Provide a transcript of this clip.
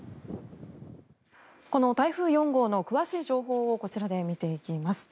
この台風４号の詳しい情報をこちらで見ていきます。